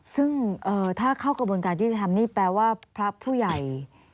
ซึ่งถ้าเข้ากระบวนการยุทธิธรรมนี่แปลว่าพระผู้ใหญ่